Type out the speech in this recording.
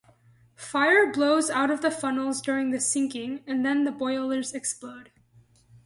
Fire blows out of the funnels during the sinking and then the boilers explode.